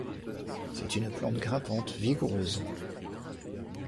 C'est une plante grimpante vigoureuse.